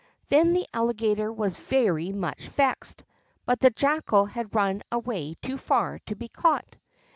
Then the Alligator was very much vexed, but the Jackal had run away too far to be caught.